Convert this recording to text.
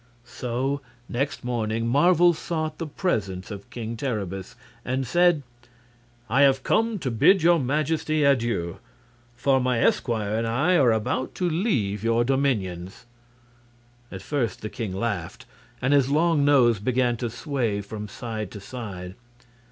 So next morning Marvel sought the presence of King Terribus and said: "I have come to bid your Majesty adieu, for my esquire and I are about to leave your dominions." At first the king laughed, and his long nose began to sway from side to side.